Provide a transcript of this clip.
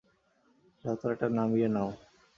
লতাটা নামিয়ে দাও।